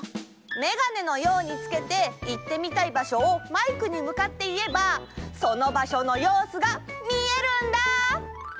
メガネのようにつけていってみたい場所をマイクにむかっていえばその場所のようすがみえるんだ！